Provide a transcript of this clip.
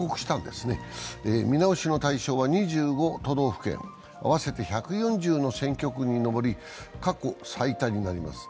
見直しの対象は２５都道府県、合わせて１４０の選挙区に上り、過去最多になります。